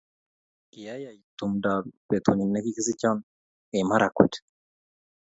Kiayai tumdap betunyu nekikisicho eng makawet